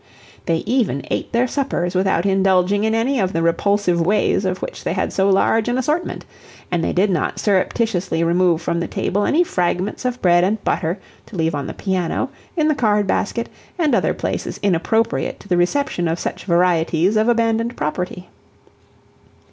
They even ate their suppers without indulging in any of the repulsive ways of which they had so large an assortment, and they did not surreptitiously remove from the table any fragments of bread and butter to leave on the piano, in the card basket, and other places inappropriate to the reception of such varieties of abandoned property.